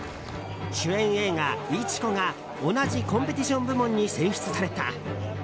主演映画「市子」が同じコンペティション部門に選出された。